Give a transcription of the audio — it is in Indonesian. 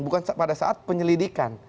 bukan pada saat penyelidikan